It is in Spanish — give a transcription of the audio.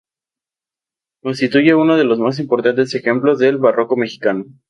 Constituye uno de los más importantes ejemplos del barroco mexicano.